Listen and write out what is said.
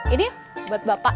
ini yuk buat bapak